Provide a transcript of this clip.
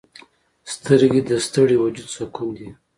سترګې د ستړي وجود سکون دي